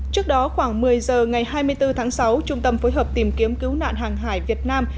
trước đó khoảng một mươi giờ ngày hai mươi bốn tháng sáu trung tâm phối hợp tìm kiếm cứu nạn hàng hải việt nam